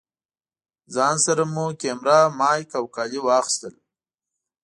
ځان سره مو کېمره، مايک او کالي واخيستل.